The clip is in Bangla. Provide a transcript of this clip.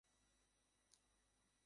কী একটা অবস্থা, না?